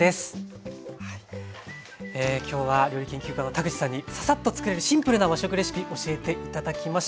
きょうは料理研究家の田口さんにササッとつくれるシンプルな和食レシピ教えて頂きました。